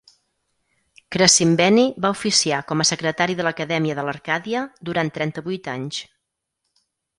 Crescimbeni va oficiar com a secretari de l'Acadèmia de l'Arcàdia durant trenta-vuit anys.